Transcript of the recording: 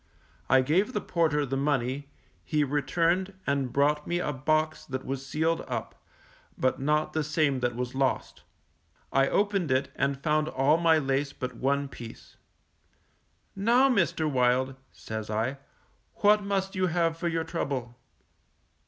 I gave the porter the money; he returned, and brought me a box that was sealed up, but not the same that was lost. I opened it and found all my lace but one piece. Now, Mr. Wild, says I, _what must you have for your trouble?